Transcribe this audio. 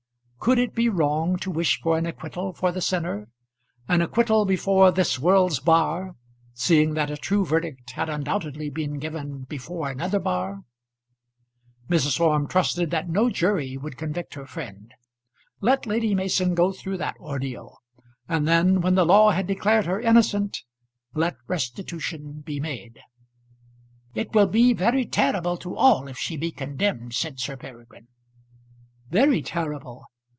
Could it be wrong to wish for an acquittal for the sinner, an acquittal before this world's bar, seeing that a true verdict had undoubtedly been given before another bar? Mrs. Orme trusted that no jury would convict her friend. Let Lady Mason go through that ordeal; and then, when the law had declared her innocent, let restitution be made. "It will be very terrible to all if she be condemned," said Sir Peregrine. "Very terrible!